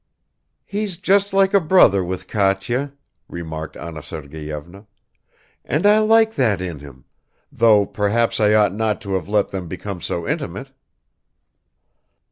"He's just like a brother with Katya," remarked Anna Sergeyevna, "and I like that in him, though perhaps I ought not to have let them become so intimate."